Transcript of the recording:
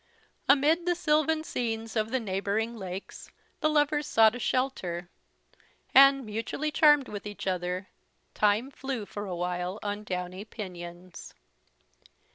Amid the sylvan scenes of the neighbouring lakes the lovers sought a shelter; and, mutually charmed with each other, time flew for a while on downy pinions.